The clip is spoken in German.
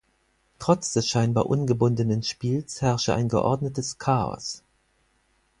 Trotz des scheinbar ungebundenen Spiels herrsche ein geordnetes Chaos.